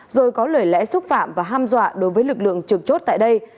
rồi có lời lẽ xúc phạm và ham dọa đối với lực lượng trực chốt tại đây